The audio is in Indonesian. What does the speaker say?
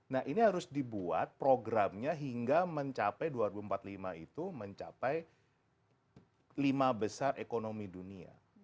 nah ini harus dibuat programnya hingga mencapai dua ribu empat puluh lima itu mencapai lima besar ekonomi dunia